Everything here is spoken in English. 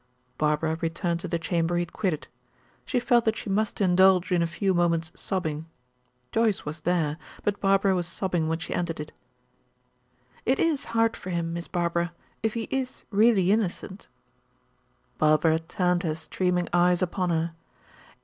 Barbara returned to the chamber he had quitted. She felt that she must indulge in a few moments sobbing; Joyce was there, but Barbara was sobbing when she entered it. "It is hard for him, Miss Barbara, if he is really innocent." Barbara turned her streaming eyes upon her.